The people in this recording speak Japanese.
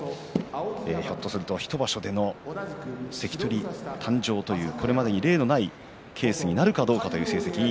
ひょっとすると１場所での関取誕生というこれまでに例のない形になるかもしれません。